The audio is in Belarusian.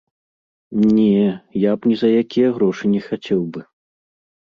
Не, я б ні за якія грошы не хацеў бы.